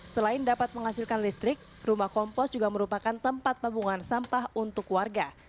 selain dapat menghasilkan listrik rumah kompos juga merupakan tempat pembuangan sampah untuk warga